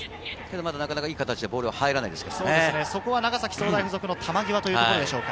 まだなかなかいい形でボールが入らないですね。